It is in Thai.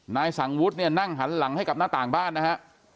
นายสังวุฒิเนี่ยนั่งหันหลังให้กับหน้าต่างบ้านนะฮะ